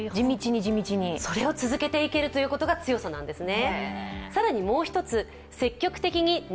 それを続けていけるということが強さなんですね。